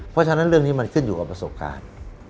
เพราะฉะนั้นเรื่องนี้มันขึ้นอยู่กับประสบการณ์